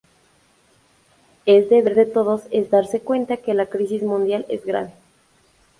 Es deber de todos es darse cuenta de que la crisis mundial es grave.